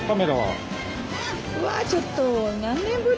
うわちょっと何年ぶり？